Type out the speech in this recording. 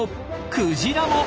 クジラも！